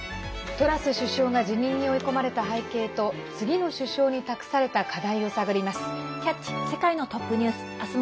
トラス首相が辞任に追い込まれた背景と次の首相に託された課題を探ります。